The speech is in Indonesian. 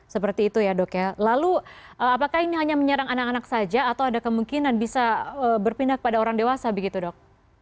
seperti itu ya dok ya lalu apakah ini hanya menyerang anak anak saja atau ada kemungkinan bisa berpindah kepada orang dewasa begitu dok